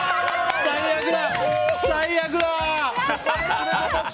最悪だ！